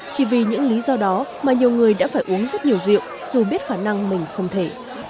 chỉ vì những lý do đó mà nhiều người đã phải uống rất nhiều rượu dù biết khả năng mình không thể